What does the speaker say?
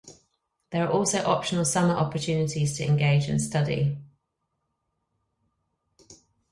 There are also optional Summer opportunities to engage in study.